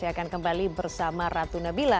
yang saat ini